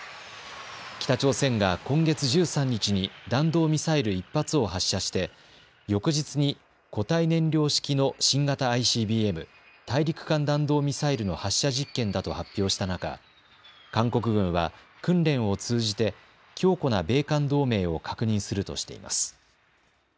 北朝鮮が今月１３日に弾道ミサイル１発を発射して翌日に固体燃料式の新型ＩＣＢＭ・大陸間弾道ミサイルの発射実験だと発表した中、韓国軍は訓練を通じて強固な米韓同盟を確認するとしています。